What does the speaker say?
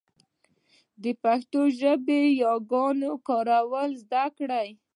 د پښتو ژبې ياګانو کارول زده کړئ.